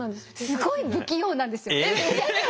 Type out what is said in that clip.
すごい不器用なんですよ。